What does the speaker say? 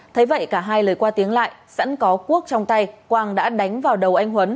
thấy vậy cả hai lời qua tiếng lại sẵn có cuốc trong tay quang đã đánh vào đầu anh huấn